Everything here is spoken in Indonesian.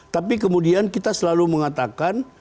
tapi kemudian kita selalu mengatakan